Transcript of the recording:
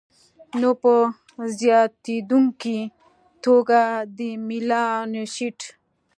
نو په زیاتېدونکي توګه د میلانوسایټ